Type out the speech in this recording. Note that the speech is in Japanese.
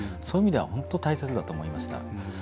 そういう意味では本当、大切だと思いました。